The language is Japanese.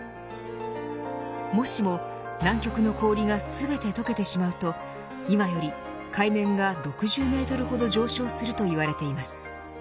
もしも、南極の氷が全て溶けてしまうと今より海面が６０メートルほど上昇するといわれています。